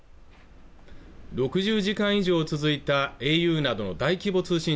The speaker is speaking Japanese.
６０時間以上続いたａｕなどの大規模通信